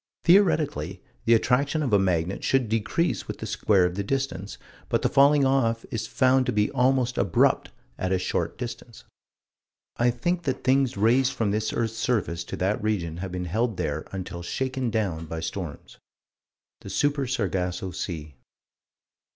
Theoretically the attraction of a magnet should decrease with the square of the distance, but the falling off is found to be almost abrupt at a short distance. I think that things raised from this earth's surface to that region have been held there until shaken down by storms The Super Sargasso Sea.